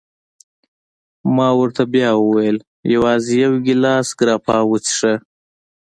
ما ورته بیا وویل: یوازي یو ګیلاس ګراپا وڅېښه.